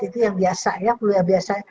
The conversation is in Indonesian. itu yang biasa ya perlu yang biasa